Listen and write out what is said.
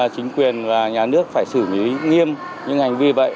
chính quyền và nhà nước phải xử lý nghiêm những hành vi vậy